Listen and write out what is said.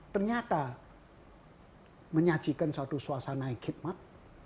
ternyata menyajikan suatu suasana yang hikmat